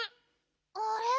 あれ？